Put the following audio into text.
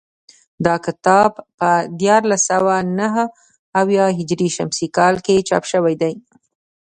دا کتاب په دیارلس سوه نهه اویا هجري شمسي کال کې چاپ شوی دی